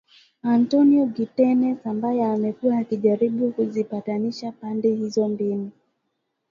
Antonio Guterres ambaye amekuwa akijaribu kuzipatanisha pande hizo mbili